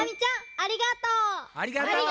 ありがとう！